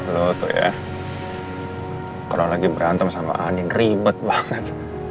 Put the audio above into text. lu tuh ya kalo lagi berantem sama anin ribet banget